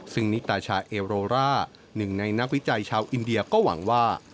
ซึ่งนิตาชาเอโรร่าหนึ่งในนักวิจัยชาวอินเดียก็หวังว่า